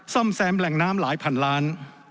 ซ่อมแซมแหล่งน้ำหลายพันล้าน